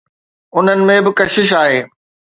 انهن ۾ به ڪشش آهي.